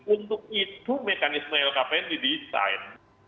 untuk itu mekanisme lkpn didesain